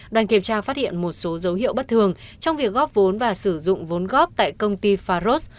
đoàn kiểm tra phát hiện một số dấu hiệu bất thường trong việc góp vốn và sử dụng vốn góp tại công ty faros